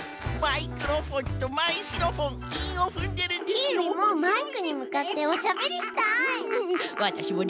キーウィもマイクにむかっておしゃべりしたい！